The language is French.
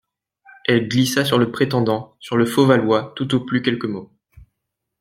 Elle glissa sur le prétendant, sur le faux Valois, tout au plus quelques mots.